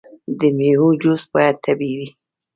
د میوو جوس باید طبیعي وي.